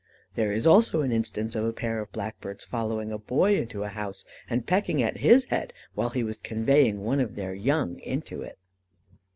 There is also an instance of a pair of blackbirds following a boy into a house, and pecking at his head, while he was conveying one of their young into it.